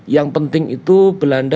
yang penting itu belanda